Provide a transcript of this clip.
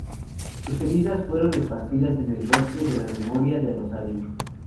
Sus cenizas fueron esparcidas en el Bosque de la Memoria de Rosario.